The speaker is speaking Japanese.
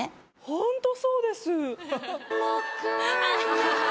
ホントそうです。